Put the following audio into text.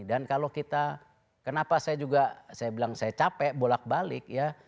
kalau kita kenapa saya juga saya bilang saya capek bolak balik ya